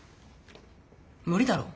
無理だろ。